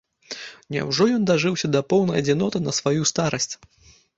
Няўжо ён дажыўся да поўнай адзіноты на сваю старасць?